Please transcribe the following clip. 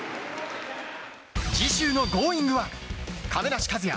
次週の「Ｇｏｉｎｇ！」は亀梨和也